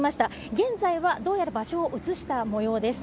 現在はどうやら場所を移したもようです。